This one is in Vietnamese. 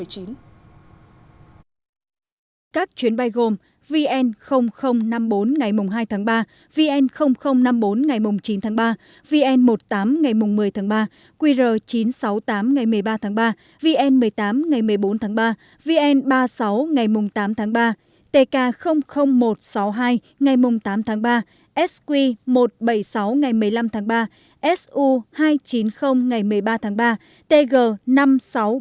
các chuyến bay gồm